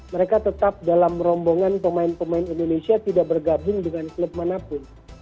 mereka tetap dalam rombongan pemain pemain indonesia tidak bergabung dengan klub manapun